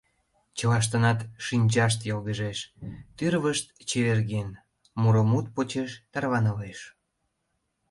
Чылаштынат шинчашт йылгыжеш, тӱрвышт чеверген, муро мут почеш тарванылеш.